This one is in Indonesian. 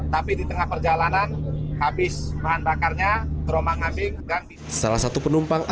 tapi di tengah perjalanan habis bahan bakarnya terombak ambing